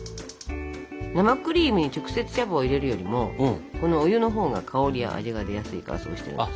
生クリームに直接茶葉を入れるよりもこのお湯のほうが香りや味が出やすいからそうしてます。